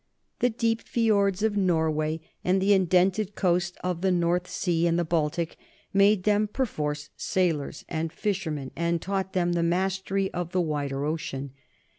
The deep fjords of Norway and the indented coast of the North Sea and the Baltic made them perforce sailors and fishermen and taught them the mastery of the wider ocean.